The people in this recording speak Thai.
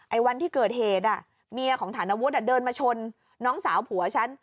วันที่เกิดเหตุเมียของฐานวุฒิเดินมาชนน้องสาวผัวฉัน